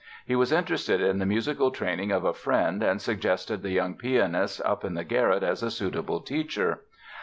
He was interested in the musical training of a friend and suggested the young pianist up in the garret as a suitable teacher.